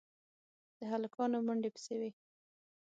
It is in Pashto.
د هلکانو منډې پسې وې.